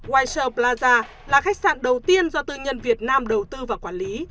wise plaza là khách sạn đầu tiên do tư nhân việt nam đầu tư và quản lý